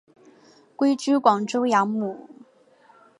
归居广州养母。